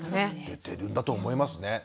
出てるんだと思いますね。